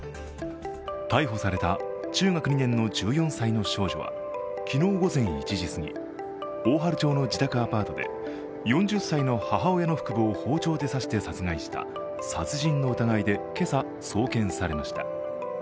逮捕された中学２年の１４歳の少女は昨日午前１時過ぎ、大治町の自宅アパートで４０歳の母親の腹部を包丁で刺して殺害した殺人の疑いで今朝送検されました。